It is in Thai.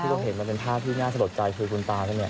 ภาพที่ดูเห็นเป็นภาพที่น่าสะดดใจคือคุณตาแหละเนี่ย